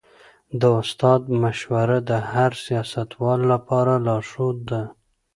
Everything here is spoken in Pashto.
د استاد مشوره د هر سياستوال لپاره لارښود ده.